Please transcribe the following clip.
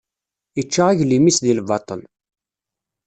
Ičča aglim-is di lbaṭel.